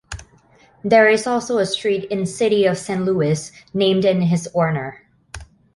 There is also a street in city of Saint Louis named in his honor.